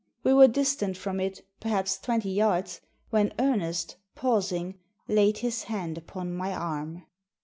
We were distant from it, perhaps, twenty yards, when Ernest, pausing, laid his hand upon my arm.